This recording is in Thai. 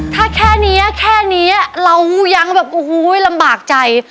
ถ้าแค่นี้แค่นี้เรายังแบบโอ้โหลำบากใจ